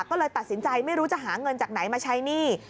ก็เลยตัดสินใจไม่รู้จะหาเงินจากไหนมาใช้หนี้